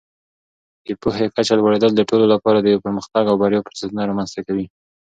د پوهې کچه لوړېدل د ټولو لپاره د پرمختګ او بریا فرصتونه رامینځته کوي.